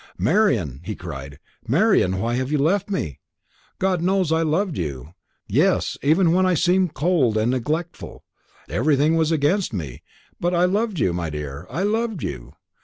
"Marian," he cried, "Marian, why have you left me? God knows I loved you; yes, even when I seemed cold and neglectful. Everything was against me; but I loved you, my dear, I loved you!